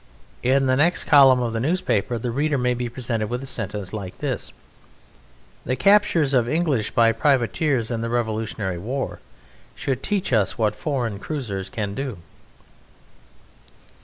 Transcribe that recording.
In the next column of the newspaper the reader may be presented with a sentence like this: "The captures of English by privateers in the Revolutionary War should teach us what foreign cruisers can do."